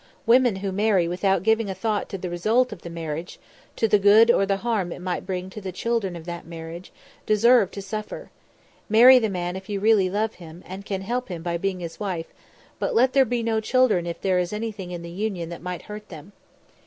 Women who marry without giving a thought to the result of the marriage, to the good or the harm it might bring to the children of that marriage, deserve to suffer. Marry the man, if you really love him and can help him by being his wife; but let there be no children if there is anything in the union that might hurt them."